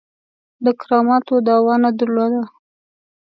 د کراماتو دعوه نه درلوده.